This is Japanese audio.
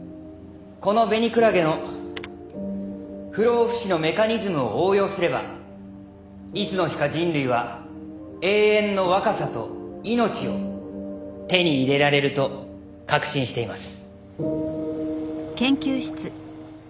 このベニクラゲの不老不死のメカニズムを応用すればいつの日か人類は永遠の若さと命を手に入れられると確信しています。